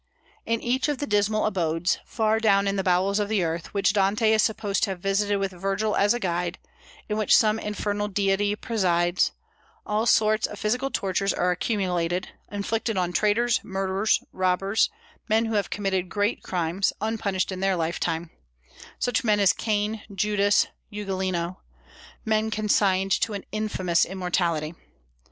In each of the dismal abodes, far down in the bowels of the earth, which Dante is supposed to have visited with Virgil as a guide, in which some infernal deity presides, all sorts of physical tortures are accumulated, inflicted on traitors, murderers, robbers, men who have committed great crimes, unpunished in their lifetime; such men as Cain, Judas, Ugolino, men consigned to an infamous immortality.